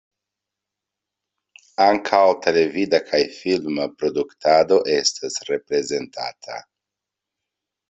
Ankaŭ televida kaj filma produktado estas reprezentata.